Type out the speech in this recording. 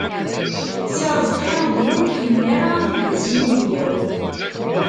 Si Rezqi d win ur nḥemmel ara ad t-id-asen yinebgawen.